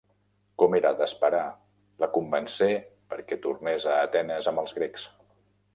Com era d'esperar, la convencé perquè tornés a Atenes amb els grecs.